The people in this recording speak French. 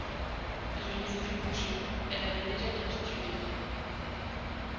Je les ai vu bouger. Elle avait déjà capitulé.